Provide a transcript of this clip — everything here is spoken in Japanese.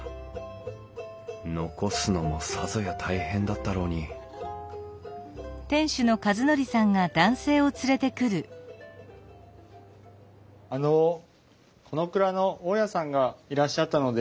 残すのもさぞや大変だったろうにあのこの蔵の大家さんがいらっしゃったので。